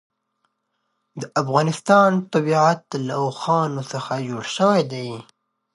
د افغانستان طبیعت له اوښانو څخه جوړ شوی دی.